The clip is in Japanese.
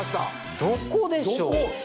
「どこでしょう？」